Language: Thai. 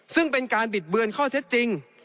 ซึ่งเป็นการบิดเบือนข้อเท็จจริง